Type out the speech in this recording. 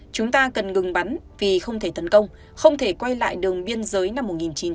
chúng ta cần ngừng bắn vì không thể tấn công không thể quay lại đường biên giới năm một nghìn chín trăm bảy mươi năm